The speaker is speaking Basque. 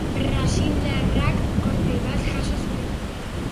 Brasildarrak kolpe bat jaso zuen.